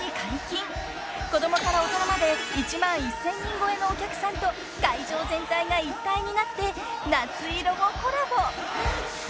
［子供から大人まで１万１，０００人超えのお客さんと会場全体が一体になって『夏色』をコラボ］